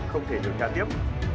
không thể điều tra tiếp